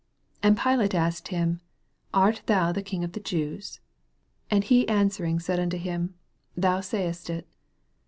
2 And Pilate asked him, Art thou the king of the Jews ? And he answer ing said unto him, Thou sayest it.